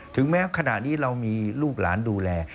ถึงแม้ขณะนี้เรามีลูกหลานดูแล